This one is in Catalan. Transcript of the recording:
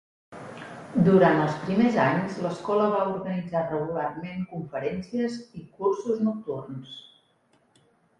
Durant els primers anys, l'escola va organitzar regularment conferències i cursos nocturns.